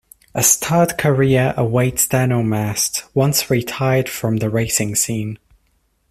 A stud career awaits Dano-Mast once retired from the racing scene.